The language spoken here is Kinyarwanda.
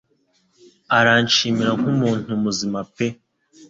aranshimira nk'umuntu muzima pe